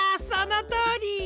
そのとおり！